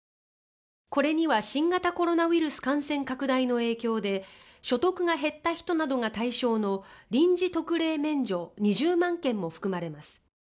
これには、新型コロナウイルス感染拡大の影響で所得が減った人などが対象の臨時特例免除２０万件も含まれます。